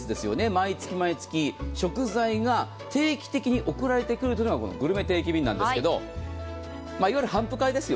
毎月毎月、食材が定期的に送られてくるのがグルメ定期便なんですけどいわゆる頒布会です。